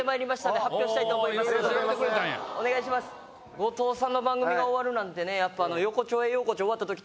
後藤さんの番組が終わるなんて。